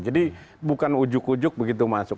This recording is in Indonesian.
jadi bukan ujuk ujuk begitu masuk